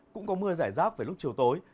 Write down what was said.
cũng có mưa rải rác với lúc chiều tối